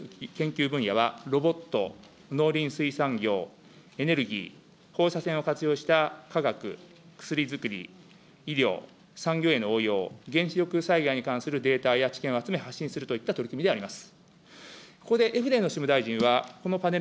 重点とする研究分野はロボット、農林水産業、エネルギー、放射線を活用したかがく、薬づくり、医療、産業への応用、原子力災害に関するデータや知見を集め、発信するといった取り組みであります。